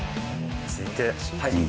続いて右。